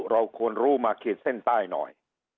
เราควรรู้มาขีดเส้นใต้หน่อย